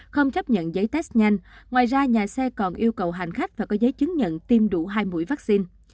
không chấp nhận giấy test nhanh ngoài ra nhà xe còn yêu cầu hành khách phải có giấy chứng nhận tiêm đủ hai mũi vaccine